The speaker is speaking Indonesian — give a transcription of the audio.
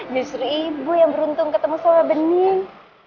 justru ibu yang beruntung ketemu sama bening